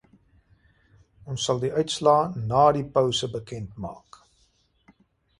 Ons sal die uitslae ná die pouse bekend maak.